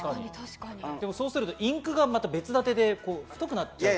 そうするとインクがまた別立てで太くなっちゃう。